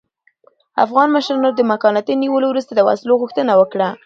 افغان مشرانو د مکناتن د نیولو وروسته د وسلو غوښتنه وکړه.